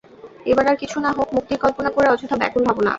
এবার আর কিছু না হোক, মুক্তির কল্পনা করে অযথা ব্যাকুল হব না।